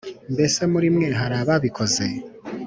Mbese muri mwe hari ababikoze